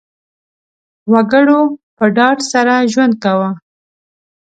وګړو په ډاډ سره ژوند کاوه.